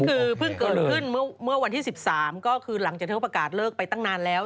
คือเพิ่งเกิดขึ้นเมื่อวันที่๑๓ก็คือหลังจากเธอประกาศเลิกไปตั้งนานแล้ว